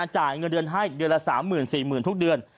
จ่ายเงินเดือนให้เดือนละ๓๐๐๔๐๐๐ทุกเดือน